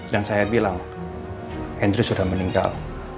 dan saya bilang hendry sudah meninggal